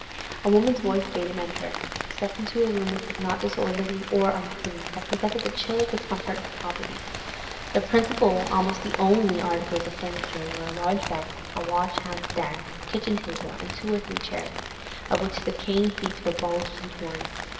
A woman's voice bade him enter. He stepped into a room which was not disorderly or unclean, but presented the chill discomfort of poverty. The principal, almost the only, articles of furniture were a large bed, a wash hand stand; a kitchen table, and two or three chairs, of which the cane seats were bulged and torn.